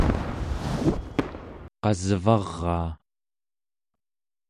qasvaraa